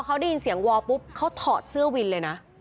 เขาได้ยินเสียงวอลปุ๊บเขาถอดเสื้อวินเลยนะ